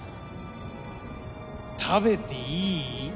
食べていい？